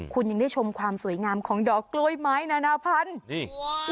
คุณยังได้ชมความสวยงามของดอกกล้วยไม้นานาพันธุ์นี่